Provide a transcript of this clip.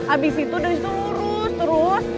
abis itu dari situ lurus terus